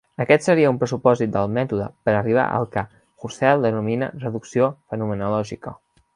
Aquest seria un pressupòsit del mètode per arribar al que Husserl denomina reducció fenomenològica.